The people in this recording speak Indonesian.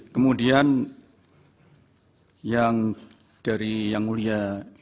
kemudian yang dari yang mulia